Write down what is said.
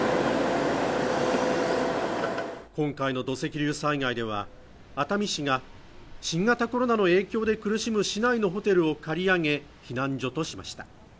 今回の土石流災害では熱海市が新型コロナの影響で苦しむ市内のホテルを借り上げ避難所としました